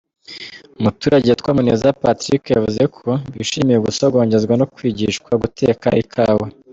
Umuturage witwa Muneza Patrick yavuze ko bishimiye gusogongezwa no kwigishwa guteka ikawa.